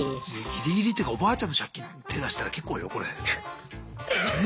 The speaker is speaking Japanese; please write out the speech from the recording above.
ギリギリっていうかおばあちゃんの借金手出したら結構よこれ。ね？